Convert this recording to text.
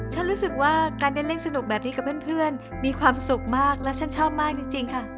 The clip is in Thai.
รู้สึกว่าการได้เล่นสนุกแบบนี้กับเพื่อนมีความสุขมากและฉันชอบมากจริงค่ะ